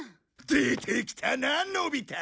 出てきたなのび太。